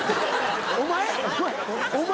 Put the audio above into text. お前？